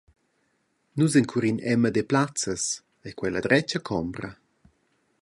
Nus encurin Emma Deplazes, ei quei la dretga combra?